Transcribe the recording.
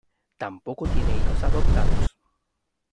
Tampoco tiene hijos adoptados.